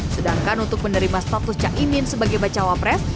sedangkan untuk menerima status cak imin sebagai baca wapres